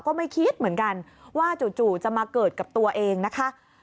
ก็ไม่คิดเหมือนกันว่าจู่จะมาเกิดกับตัวเองนะคะ